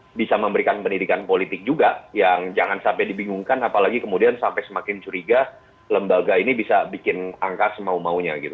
mereka bisa memberikan pendidikan politik juga yang jangan sampai dibingungkan apalagi kemudian sampai semakin curiga lembaga ini bisa bikin angka semau maunya gitu